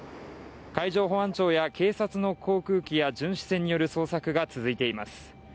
海上保安庁や警察、巡視船による捜索が続いています。